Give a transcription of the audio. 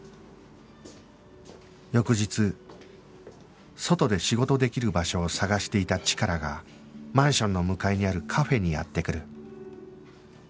翌日外で仕事できる場所を探していたチカラがマンションの向かいにあるカフェにやって来る